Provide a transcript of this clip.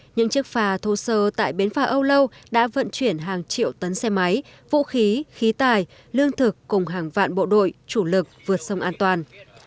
những chiếc phà thô sơ tại bến phà âu lâu đã vận chuyển hàng triệu tấn xe máy vũ khí khí tài lương thực cùng hàng vạn bộ đội chủ lực vượt sông an toàn